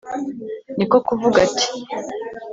ni ko kuvuga ati